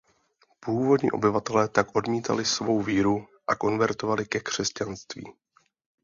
Původní obyvatelé tak odmítali svou víru a konvertovali ke křesťanství.